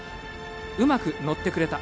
うまく乗ってくれた。